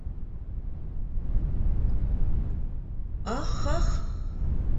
Ах-ах!